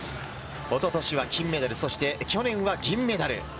一昨年は金メダル、そして去年は銀メダル。